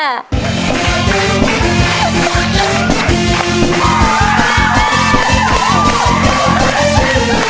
อ้าวฮะ